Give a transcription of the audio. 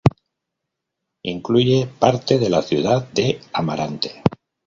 Incluye parte de la ciudad de Amarante.